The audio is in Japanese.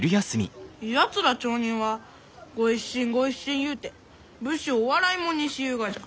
やつら町人は「ご一新ご一新」言うて武士を笑い者にしゆうがじゃ。